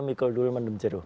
mikul durul mendemjeruh